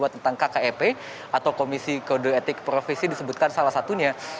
tentang kkep atau komisi kode etik profesi disebutkan salah satunya